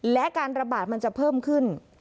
และการระบาดมันจะเพิ่มขึ้น